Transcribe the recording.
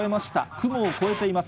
雲を超えています。